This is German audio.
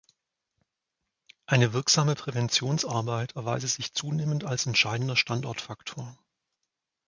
Eine wirksame Präventionsarbeit erweise sich zunehmend als entscheidender Standortfaktor.